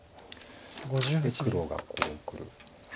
で黒がこうくる。